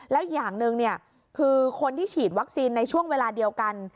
แล้วอย่างหนึ่งคือคนที่ฉีดวัคซีนในช่วงเวลาเดียวกัน